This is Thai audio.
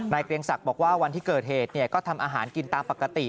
เกรียงศักดิ์บอกว่าวันที่เกิดเหตุก็ทำอาหารกินตามปกติ